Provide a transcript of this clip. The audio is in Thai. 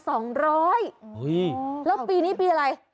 โอ้โหแล้วปีนี้ปีอะไร